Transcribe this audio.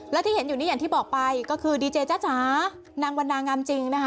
และที่เห็นอยู่นี้อย่างที่บอกไปก็คือดีเจจ้าจ๋านางวันนางามจริงนะคะ